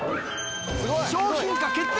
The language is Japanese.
商品化決定！